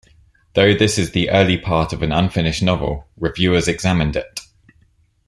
Though this is the early part of an unfinished novel, reviewers examined it.